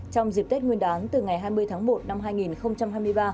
trong dịp tết nguyên đán từ ngày hai mươi tháng một năm hai nghìn hai mươi ba